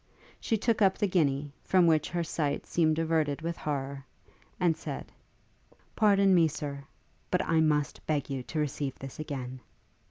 She took up the guinea, from which her sight seemed averted with horror, and said, 'Pardon me, Sir, but I must beg you to receive this again.'